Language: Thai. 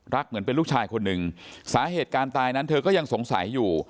เหมือนเป็นลูกชายคนหนึ่งสาเหตุการตายนั้นเธอก็ยังสงสัยอยู่